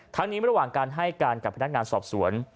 ทั้งนี้ระหว่างการให้การกับพนักงานสอบสวน